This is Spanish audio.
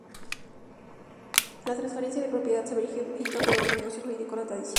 La transferencia de propiedad se verifica por otro negocio jurídico, la tradición.